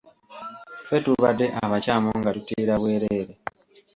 Ffe tubadde abakyamu nga tutiira bwereere.